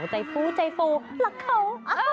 ใจฟู้ใจฟูรักเขา